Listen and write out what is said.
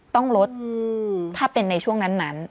ต้องลดถ้าเป็นในช่วงนั้น